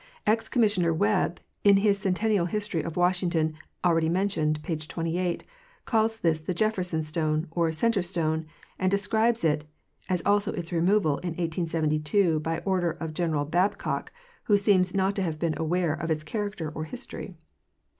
Ex Commissioner Webb, in his centennial history of Wash ineton, already mentioned, page 28, calls this the Jefferson stone or Center stone and describes it, as also its removal in 1872 by order of General Babcock, who seems not to have been aware of its character or history.